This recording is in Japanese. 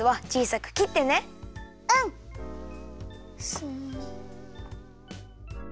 スッ。